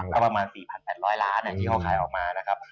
ก็ประมาณ๔๘๐๐ล้านที่เขาขายออกมานะครับ